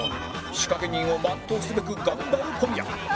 仕掛人を全うすべく頑張る小宮